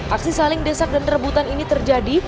aksi saling desak dan rebutan ini terjadi